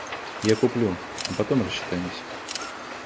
Я куплю, а потом рассчитаемся.